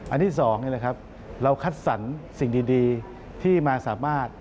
อันที่สองเราคัดสรรสิ่งดีที่มาสามารถ